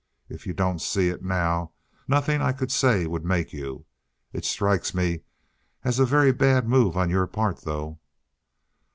If you don't see it now, nothing I could say would make you. It strikes me as a very bad move on your part though."